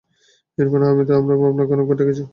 ইরফান আহমেদ, আমরা আপনাকে অনেকবার ডেকেছি।